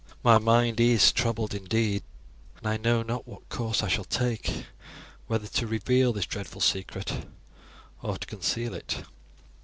My mind is troubled indeed, and I know not what course I shall take, whether to reveal this dreadful secret or to conceal it."